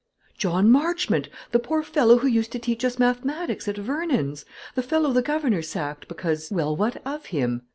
"John Marchmont, the poor fellow who used to teach us mathematics at Vernon's; the fellow the governor sacked because " "Well, what of him?"